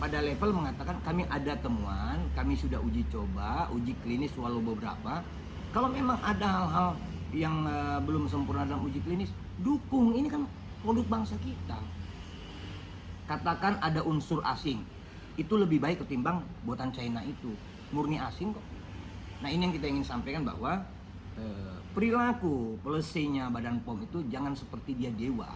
dan membebani negara